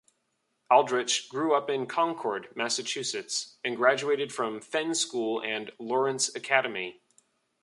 Aldrich grew up in Concord, Massachusetts, and graduated from Fenn School and Lawrence Academy.